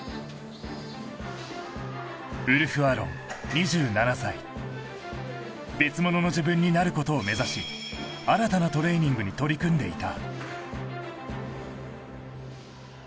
２７歳別物の自分になることを目指し新たなトレーニングに取り組んでいた